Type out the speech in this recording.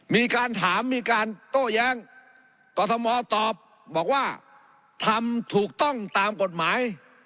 มีการถามมีการโต้แย้งกรทมตอบบอกว่าทำถูกต้องตามกฎหมาย